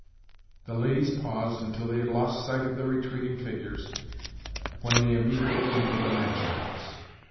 The ladies paused until they had lost sight of the retreating figures, when they immediately entered the mansion house.